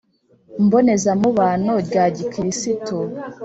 mbonezamubano rya gikirisitu.